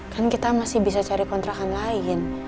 kan kita masih bisa cari kontrakan lain